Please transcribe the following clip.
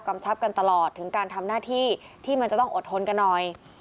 ชับกันตลอดถึงการทำหน้าที่ที่มันจะต้องอดทนกันหน่อย